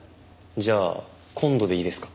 じゃあ今度でいいですか？